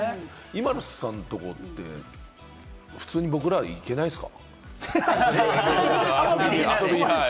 ＩＭＡＬＵさんとこって普通に僕ら行けませんか？